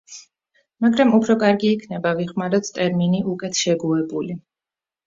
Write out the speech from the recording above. მაგრამ უფრო კარგი იქნება ვიხმაროთ ტერმინი უკეთ შეგუებული.